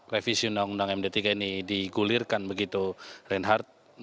revisi undang undang md tiga ini digulirkan begitu reinhardt